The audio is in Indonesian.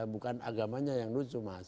bukan agamanya yang lucu mas